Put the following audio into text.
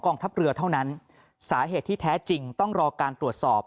ทัพเรือเท่านั้นสาเหตุที่แท้จริงต้องรอการตรวจสอบ